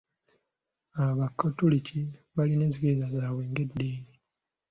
Abakatoliki balina enzikiriza zaabwe ng'eddiini